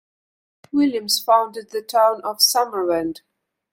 Williams founded the town of Summerland.